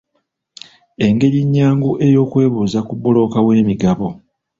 Engeri ennyangu ey'okwebuuza ku bbulooka w'emigabo.